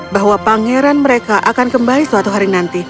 bahwa pangeran mereka akan kembali suatu hari nanti